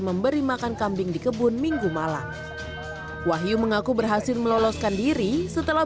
dan memberi makan kambing di kebun minggu malam wahyu mengaku berhasil meloloskan diri setelah